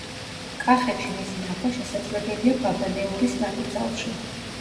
კახეთში მისი ნახვა შესაძლებელია ბაბანეურის ნაკრძალში.